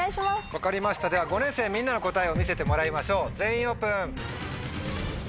分かりましたでは５年生みんなの答えを見せてもらいましょう全員オープン！